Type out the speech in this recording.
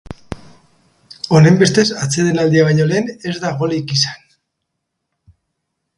Honenbestez, atsedenaldia baino lehen ez da golik izan.